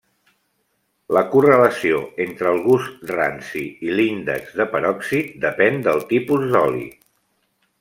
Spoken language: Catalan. La correlació entre el gust ranci i l'índex de peròxid depèn del tipus d'oli.